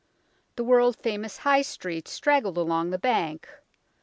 The world famous High Street straggled along the bank.